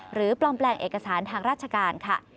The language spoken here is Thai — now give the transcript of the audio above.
ปลอมแปลงเอกสารทางราชการค่ะ